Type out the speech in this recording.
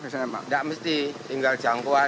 tidak mesti tinggal jangkauan